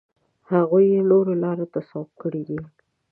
هغوی یې نورو لارو ته سوق کړي دي.